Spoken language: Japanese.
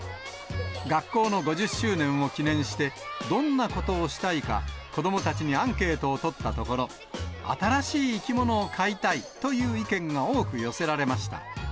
学校の５０周年を記念して、どんなことをしたいか、子どもたちにアンケートを取ったところ、新しい生き物を飼いたいという意見が多く寄せられました。